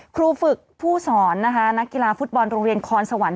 ครูฝึกผู้สอนนะคะนักกีฬาฟุตบอลโรงเรียนคอนสวรรค